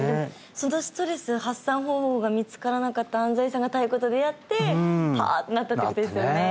そのストレス発散方法が見つからなかった安齋さんが太鼓と出会ってパーッてなったってことですよね